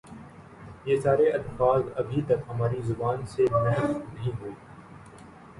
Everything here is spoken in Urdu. یہ سارے الفاظ ابھی تک ہماری زبان سے محو نہیں ہوئے ۔